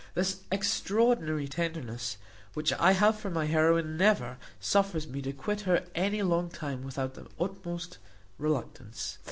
This extraordinary tenderness which I have for my heroine never suffers me to quit her any long time without the utmost reluctance.